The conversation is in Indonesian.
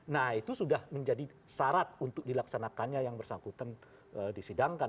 nah itu sudah menjadi syarat untuk dilaksanakannya yang bersangkutan disidangkan